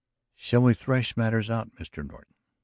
"Shall we thresh matters out, Mr. Norton?"